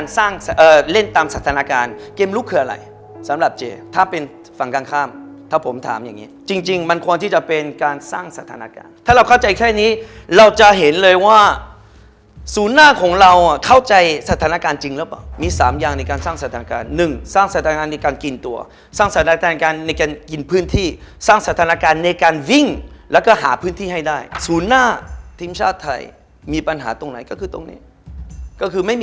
สำหรับเจถ้าเป็นฝั่งกลางข้ามถ้าผมถามอย่างนี้จริงมันควรที่จะเป็นการสร้างสถานการณ์ถ้าเราเข้าใจแค่นี้เราจะเห็นเลยว่าสูญหน้าของเราเข้าใจสถานการณ์จริงหรือเปล่ามีสามอย่างในการสร้างสถานการณ์หนึ่งสร้างสถานการณ์ในการกินตัวสร้างสถานการณ์ในการกินพื้นที่สร้างสถานการณ์ในการวิ่งแล้วก็หาพื้